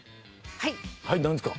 はいなんですか？